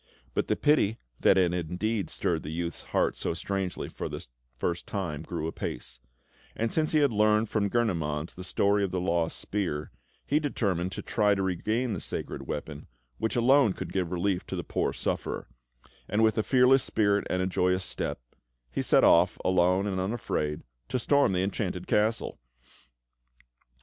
But the pity that had indeed stirred the youth's heart so strangely for the first time grew apace; and since he had learned from Gurnemanz the story of the lost spear, he determined to try to regain the sacred weapon which alone could give relief to the poor sufferer; and with a fearless spirit and a joyous step, he set off, alone and unafraid, to storm the Enchanted Castle.